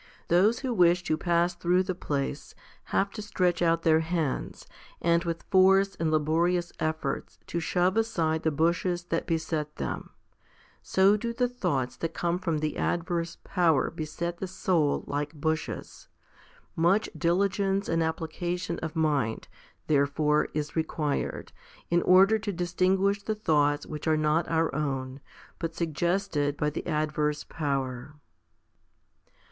Those who wish to pass through the place, have to stretch out their hands, and with force and laborious effort to shove aside the bushes that beset them. So do the thoughts that come from the adverse power beset the soul like bushes. Much diligence and application of mind, therefore, is required, in order to distinguish the thoughts which are not our own, but suggested by the adverse power.